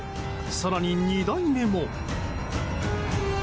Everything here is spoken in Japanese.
更に、２台目も。